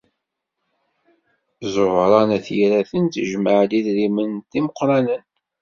Ẓuhṛa n At Yiraten tejmeɛ-d idrimen d imeqranen.